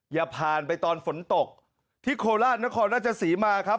อย่าผ่านไปตอนฝนตกที่โคราชนครราชศรีมาครับ